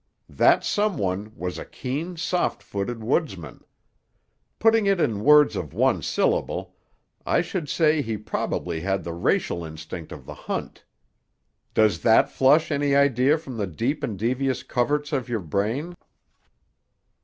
That some one was a keen soft footed woodsman. Putting it in words of one syllable, I should say he probably had the racial instinct of the hunt. Does that flush any idea from the deep and devious coverts of your brain?"